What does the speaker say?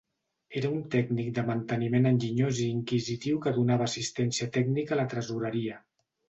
Era un tècnic de manteniment enginyós i inquisitiu que donava assistència tècnica a la Tresoreria.